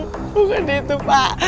bukan itu pak